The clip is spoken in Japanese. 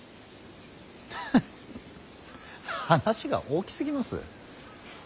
フッ話が大きすぎます。